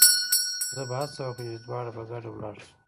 زه به هڅه وکړم چې دواړه په ګډه ولاړ شو.